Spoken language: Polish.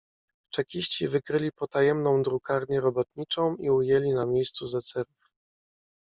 "Czekiści wykryli potajemną drukarnię robotniczą i ujęli na miejscu zecerów."